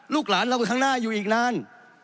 ลูกหลานเราข้างหน้าอยู่อีกนาน